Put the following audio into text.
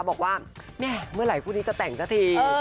บอกว่าเนี่ยเมื่อไหร่ผู้นี้จะแต่งหน้าที